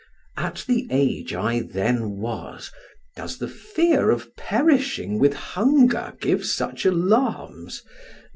At the age I then was, does the fear of perishing with hunger give such alarms?